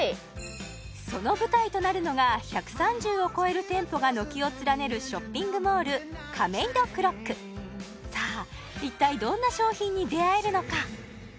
その舞台となるのが１３０を超える店舗が軒を連ねるショッピングモールさあ一体どんな商品に出会えるのか！？